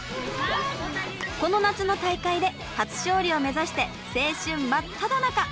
この夏の大会で初勝利を目指して青春真っただ中！